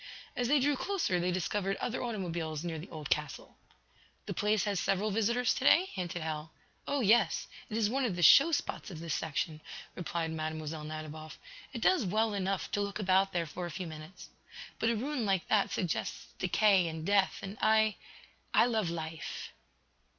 As they drew closer they discovered other automobiles near the old castle. "The place has several visitors to day?" hinted Hal. "Oh, yes; it is one of the show spots of this section," replied Mlle. Nadiboff. "It does well enough to look about there for a few minutes. But a ruin like that suggests death and decay, and I I love life."